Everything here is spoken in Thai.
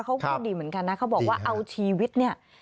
เขาก็ดีเหมือนกันนะเขาบอกว่าเอาชีวิตเนี่ย